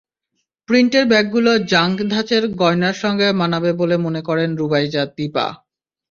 প্রিন্টের ব্যাগগুলো জাঙ্ক ধাঁচের গয়নার সঙ্গে মানাবে বলে মনে করেন রুবাইজা দীপা।